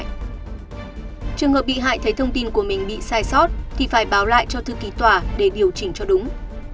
trường hợp bị hại thấy thông tin của mình bị sai sót thì phải báo lại cho thư ký tòa để điều chỉnh cho đúng